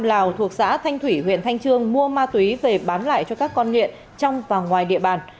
lào thuộc xã thanh thủy huyện thanh trương mua ma túy về bán lại cho các con nghiện trong và ngoài địa bàn